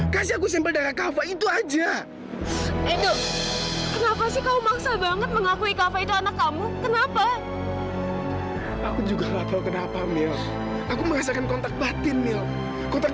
hai rumah eh duduk duduk